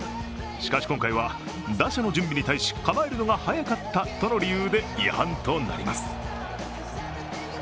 しかし今回は、打者の準備に対し構えるのが早かったという理由で違反となります。